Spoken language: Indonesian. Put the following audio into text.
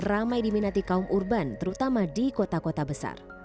ramai diminati kaum urban terutama di kota kota besar